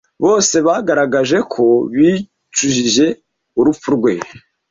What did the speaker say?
Bose bagaragaje ko bicujije urupfu rwe.